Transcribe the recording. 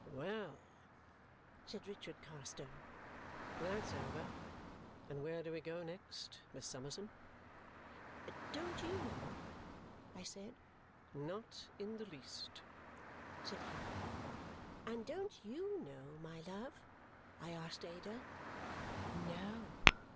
"Well!" said Richard Carstone. "THAT'S over! And where do we go next, Miss Summerson?" "Don't you know?" I said. "Not in the least," said he. "And don't YOU know, my love?" I asked Ada. "No!"